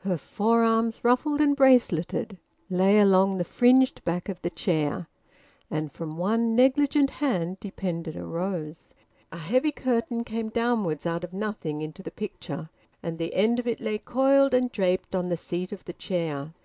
Her forearms, ruffled and braceleted, lay along the fringed back of the chair, and from one negligent hand depended a rose. A heavy curtain came downwards out of nothing into the picture, and the end of it lay coiled and draped on the seat of the chair.